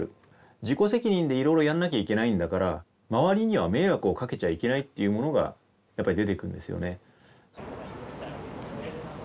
自己責任でいろいろやんなきゃいけないんだから周りには迷惑をかけちゃいけないっていうものがやっぱり出てくるんですよね。